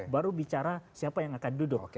baru bicara siapa yang akan duduk